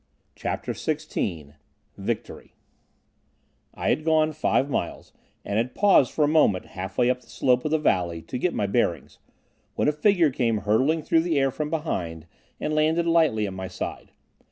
CHAPTER XVI Victory I had gone five miles, and had paused for a moment, half way up the slope of the valley to get my bearings, when a figure came hurtling through the air from behind, and landed lightly at my side.